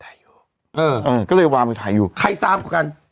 เอ่อเออก็เลยวางมาถ่ายอยู่ใครทราบกัน